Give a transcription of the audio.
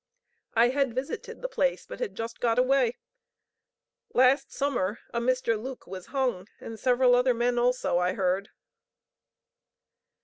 I had visited the place, but had just got away. Last summer a Mr. Luke was hung, and several other men also, I heard."